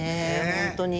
本当に。